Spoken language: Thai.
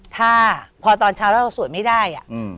ถ้าพอตอนเช้าแล้วเราสวดไม่ได้